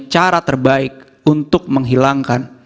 cara terbaik untuk menghilangkan